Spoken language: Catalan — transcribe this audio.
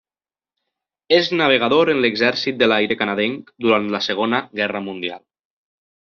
És navegador en l'Exèrcit de l'aire canadenc durant la Segona Guerra mundial.